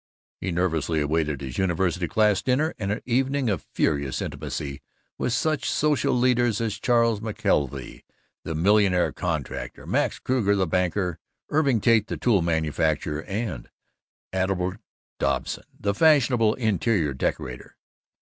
He nervously awaited his university class dinner and an evening of furious intimacy with such social leaders as Charles McKelvey the millionaire contractor, Max Kruger the banker, Irving Tate the tool manufacturer, and Adelbert Dobson the fashionable interior decorator.